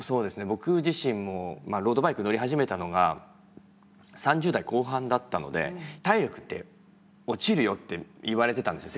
僕自身もまあロードバイク乗り始めたのが３０代後半だったので「体力って落ちるよ」って言われてたんです